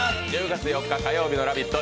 １０月４日火曜日の「ラヴィット！」